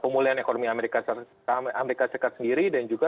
pemulihan ekonomi amerika serikat amerika serikat sendiri dan juga